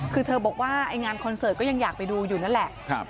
คือเธอบอกว่าไอ้งานคอนเสิร์ตก็ยังอยากไปดูอยู่นั่นแหละ